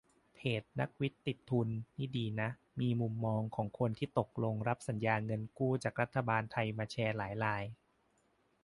เพจ "นักวิทย์ติดทุน" นี่ดีนะ มีมุมมองของคนที่ตกลงรับสัญญาเงินกู้จากรัฐบาลไทยมาแชร์หลายราย